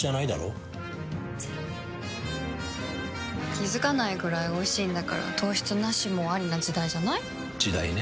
気付かないくらいおいしいんだから糖質ナシもアリな時代じゃない？時代ね。